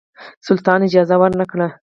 سلطان اجازه ورنه کړه.